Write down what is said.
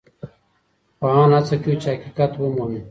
پوهان هڅه کوي چي حقیقت ومومي.